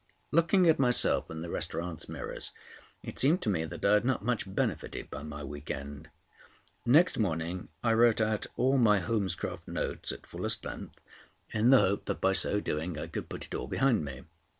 Looking at myself in the restaurant's mirrors, it seemed to me that I had not much benefited by my week end. Next morning I wrote out all my Holmescroft notes at fullest length, in the hope that by so doing I could put it all behind me.